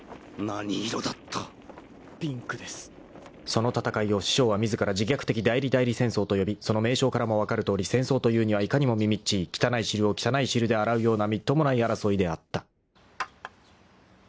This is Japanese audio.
［その戦いを師匠は自ら「自虐的代理代理戦争」と呼びその名称からも分かるとおり戦争というにはいかにもみみっちい汚い汁を汚い汁で洗うようなみっともない争いであった］